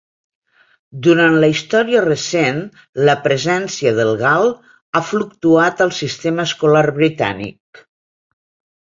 Durant la història recent, la presència del gal ha fluctuat al sistema escolar britànic.